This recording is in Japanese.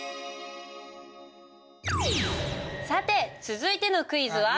さて続いてのクイズは。